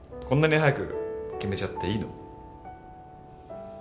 こんなに早く決めちゃっていいの？